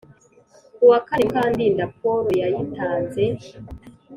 Ku wa kane Mukandinda polo yayitanze